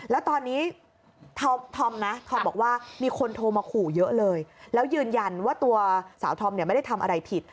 แล้วตอนนี้ธอมนะธอมบอกว่ามีคนโทรมาขู่เยอะเลยแล้วยืนยันว่าตัวสาวธอมเนี่ยไม่ได้ทำอะไรผิด